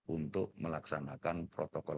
untuk melaksanakan protokol